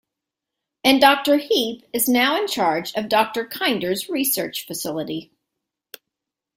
And Doctor Heep is now in charge of Doctor Kinder's Research facility.